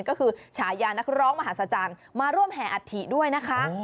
ก็คือฉายานักร้องมหาศจรรย์มาร่วมแห่อัฐิด้วยนะคะ